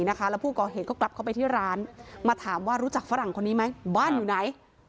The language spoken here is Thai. แล้วผู้ก่อเหตุก็กลับเข้าไปที่ร้านมาถามว่ารู้จักฝรั่งคนนี้ไหมบ้านอยู่ไหน